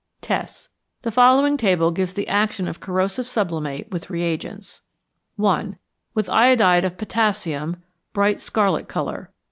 Tests. The following table gives the action of corrosive sublimate with reagents: 1. With iodide of potassium Bright scarlet colour.